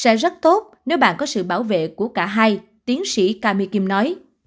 sẽ rất tốt nếu bạn có sự bảo vệ của cả hai tiến sĩ kami kim nói